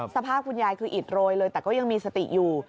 สภาพคุณยายคืออิดโรยเลยแต่ก็ยังมีสติอยู่